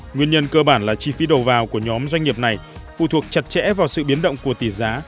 nguyên nhân cơ bản là chi phí đầu vào của nhóm doanh nghiệp này phụ thuộc chặt chẽ vào sự biến động của tỷ giá